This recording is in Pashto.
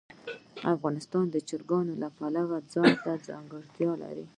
افغانستان د چرګان د پلوه ځانته ځانګړتیا لري.